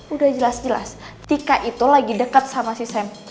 udah jelas jelas tika itu lagi dekat sama si sam